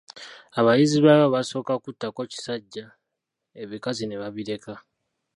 Abayizzi baabyo basooka kuttako kisajja, ebikazi ne babireka.